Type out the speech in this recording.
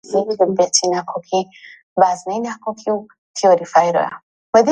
شێخ لەتەنیشت حەسەناغا لە لای سەروو دانیشتبوو